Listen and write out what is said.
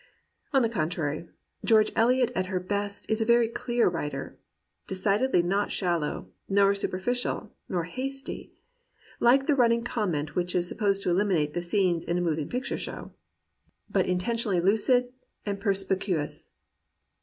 On the contrary, George Eliot at her best is a very clear writer — decidedly not shallow, nor superficial, nor hasty, — like the running comment which is supposed to illuminate the scenes in a moving picture show, — but intentionally lucid and 139 COMPANIONABLE BOOKS perspicuous.